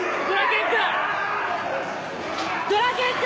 ドラケン君！